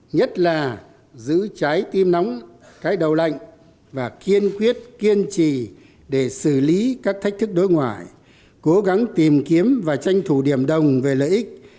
nhất là giữ trái tim nóng cái đầu lạnh và kiên quyết kiên trì để xử lý các thách thức đối ngoại cố gắng tìm kiếm và tranh thủ điểm đồng về lợi ích